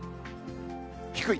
低い。